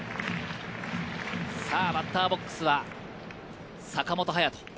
バッターボックスは坂本勇人。